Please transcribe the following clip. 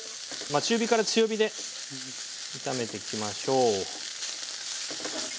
中火から強火で炒めていきましょう。